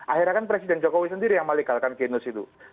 akhirnya kan presiden jokowi sendiri yang melegalkan genus itu